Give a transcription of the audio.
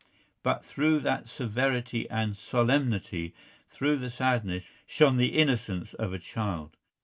But through that severity and solemnity, through the sadness, shone the innocence of a child.